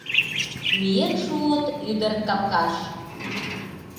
Миен шуыт ӱдыр капкаш, -